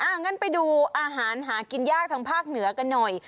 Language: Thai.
งั้นไปดูอาหารหากินยากทางภาคเหนือกันหน่อย